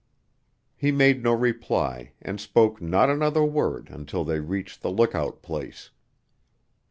He made no reply, and spoke not another word until they reached the lookout place.